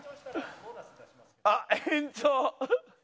あっ延長。